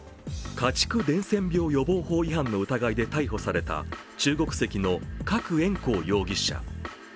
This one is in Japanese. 家畜伝染病予防法違反の疑いで逮捕された中国籍の郭艶紅容疑者。